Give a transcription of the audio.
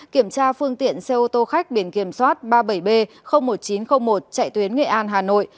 kiểm tra phương tiện xe ô tô khách biển kiểm soát ba mươi bảy b một nghìn chín trăm linh một chạy tuyến nghệ an hà nội